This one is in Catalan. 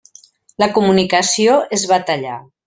La comunicació es va tallar.